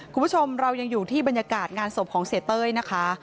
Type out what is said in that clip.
คุณผู้ชมเรายังอยู่ที่บรรยากาศงานศพของเสียเต้ยนะคะ